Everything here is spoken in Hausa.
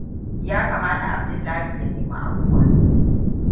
Ya kamata Abdullahi ya nemi afuwa.